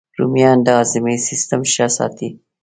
رومیان د هاضمې سیسټم ښه ساتي